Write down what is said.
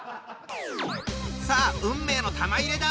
さあ運命の玉入れだ！